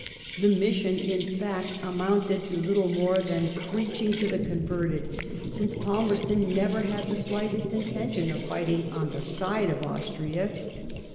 The mission, in fact, amounted to little more than preaching to the converted, since Palmerston never had the slightest intention of fighting on the side of Aus tria.